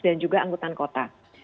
dan juga anggota kota